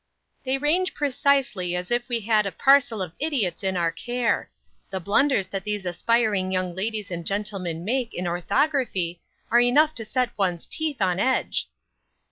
"They range precisely as if we had a parcel of idiots in our care. The blunders that these aspiring young ladies and gentlemen make in orthography are enough to set one's teeth on edge."